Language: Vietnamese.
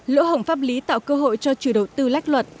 lỗ hổng pháp lý tạo cơ hội cho chủ đầu tư lách luật